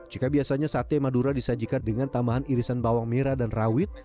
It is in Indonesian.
jika biasanya sate madura disajikan dengan tambahan irisan bawang merah dan rawit